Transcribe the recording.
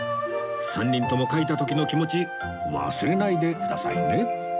３人とも書いた時の気持ち忘れないでくださいね